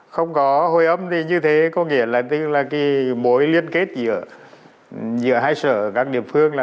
không có hồi âm thì như thế có nghĩa là cái mối liên kết giữa hai sở các địa phương